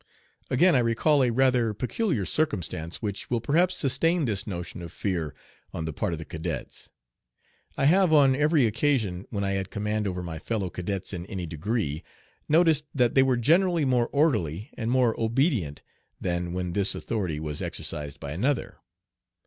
Again I recall a rather peculiar circumstance which will perhaps sustain this notion of fear on the part of the cadets. I have on every occasion when I had command over my fellow cadets in any degree, noticed that they were generally more orderly and more obedient than when this authority was exercised by another.